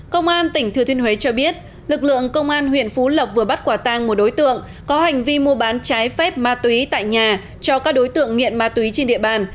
công an tỉnh thừa thiên huế cho biết lực lượng công an huyện phú lộc vừa bắt quả tang một đối tượng có hành vi mua bán trái phép ma túy tại nhà cho các đối tượng nghiện ma túy trên địa bàn